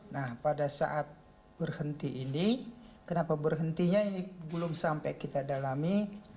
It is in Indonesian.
nah pada saat berhenti ini kenapa berhentinya ini belum sampai kita dalami